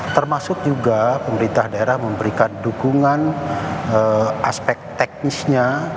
termasuk juga pemerintah daerah memberikan dukungan aspek teknisnya